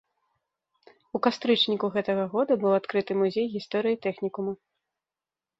У кастрычніку гэтага года быў адкрыты музей гісторыі тэхнікума.